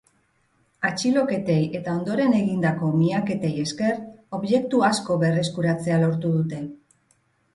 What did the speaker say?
Atxiloketei eta ondoren egindako miaketei esker, objektu asko berreskuratzea lortu dute.